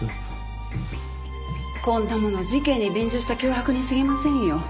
こんなもの事件に便乗した脅迫にすぎませんよ。